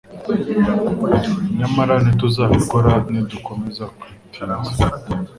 nyamara ntituzabikora nidukomeza kwi tinza